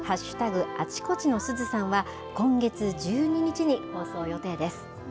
あちこちのすずさんは、今月１２日に放送予定です。